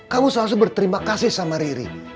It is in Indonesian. kamu selalu berterima kasih sama riri